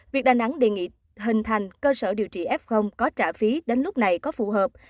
việc đà nẵng đề nghị hình thành cơ sở điều trị f có trả phí đến lúc này có phù hợp